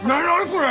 これ！